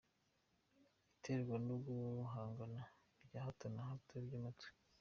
Iterwa no guhungabana bya hato na hato by'umutwe.